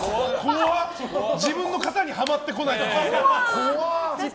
自分の型にはまってこないと。